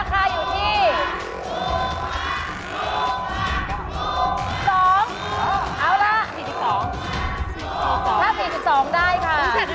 ถ้า๔๒ได้ค่ะ